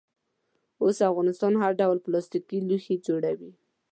اوس افغانستان هر ډول پلاستیکي لوښي جوړوي.